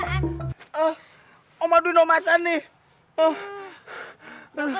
aka yang harus aku jelaskan wei candi